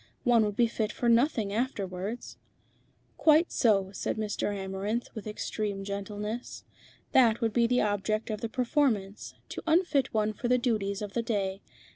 "One would be fit for nothing afterwards." "Quite so," said Mr. Amarinth, with extreme gentleness. "That would be the object of the performance, to unfit one for the duties of the day.